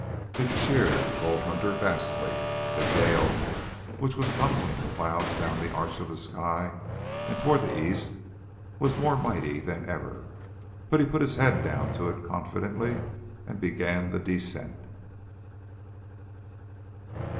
It cheered Bull Hunter vastly. The gale, which was tumbling the clouds down the arch of the sky and toward the east, was more mighty than ever, but he put his head down to it confidently and began the descent.